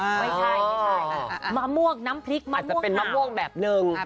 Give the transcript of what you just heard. ไม่ใช่ไม่ใช่มะม่วงน้ำพริกมะม่วงห่าวอาจจะเป็นมะม่วงแบบหนึ่งอ่า